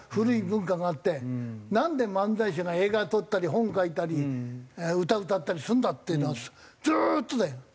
なんで漫才師が映画撮ったり本書いたり歌歌ったりするんだっていうのはずーっとだよ。